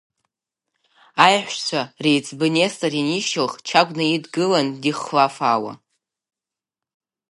Аеҳәшьцәа реиҵбы Нестор ианишьылх, Чагә днаидгылан дихлафаауа…